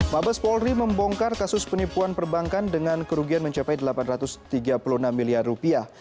mabes polri membongkar kasus penipuan perbankan dengan kerugian mencapai delapan ratus tiga puluh enam miliar rupiah